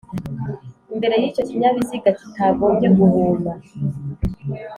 imbere y'icyo kinyabiziga kitagombye guhuma